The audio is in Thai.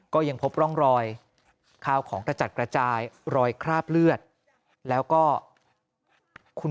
ก็ยังพบร่องรอยข้าวของกระจัดกระจายรอยคราบเลือดแล้วก็คุณ